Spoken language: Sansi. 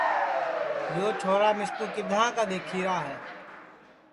یو چھورا مِسکُو کِدھاں کا دؔیکھیرا ہے